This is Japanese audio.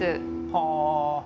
はあ。